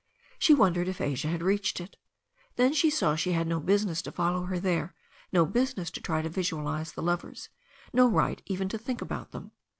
She wondered if Asia had reached it. Then she saw she had no business to follow her there, no business to try to visualize the lovers, no right even to think about them.